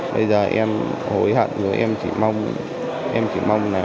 bây giờ em hối hận và em chỉ mong